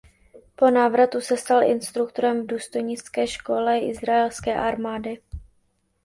Po návratu se stal instruktorem v důstojnické škole izraelské armády.